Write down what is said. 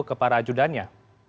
kepada para ajudannya